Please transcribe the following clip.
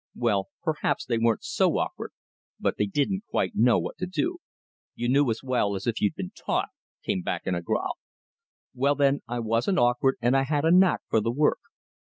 "Well, perhaps they weren't so awkward, but they didn't know quite what to do " "You knew as well as if you'd been taught," came back in a growl. "Well, then, I wasn't awkward, and I had a knack for the work.